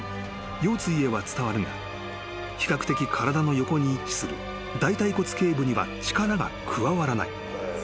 腰椎へは伝わるが比較的体の横に位置する大腿骨頸部には力が加わらない］